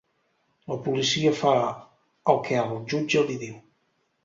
La policia fa el que el jutge li diu.